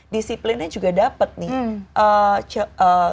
disiplinnya juga dapet nih